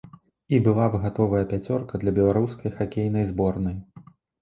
І была б гатовая пяцёрка для беларускай хакейная зборнай.